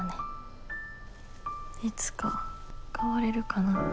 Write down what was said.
いつか変われるかな。